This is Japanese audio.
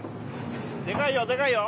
でかいよでかいよ！